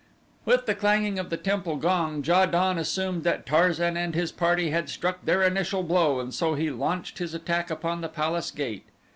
With the clanging of the temple gong Ja don assumed that Tarzan and his party had struck their initial blow and so he launched his attack upon the palace gate.